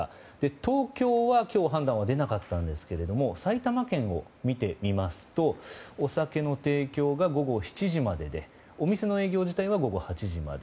東京は今日判断は出なかったんですけれども埼玉県を見てみますとお酒の提供が午後７時まででお店の営業自体は午後８時まで。